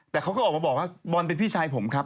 แต่เขาก็ออกมาบอกว่าบอลเป็นพี่ชายผมครับ